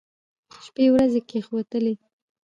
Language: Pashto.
شپې ورځې کښېوتلې.